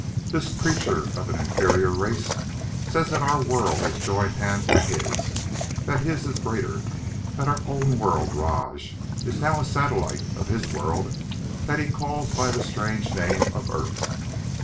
This creature of an inferior race says that our world has joined hands with his; that his is greater; that our own world, Rajj, is now a satellite of his world that he calls by the strange name of 'Earth.'"